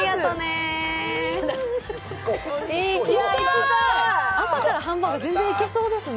行きたい、朝からハンバーガー全然いけそうですね。